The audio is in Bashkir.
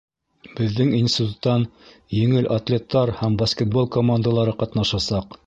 Беҙҙең институттан еңел атлеттар һәм баскетбол командалары ҡатнашасаҡ.